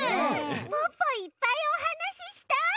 ポッポいっぱいおはなししたい！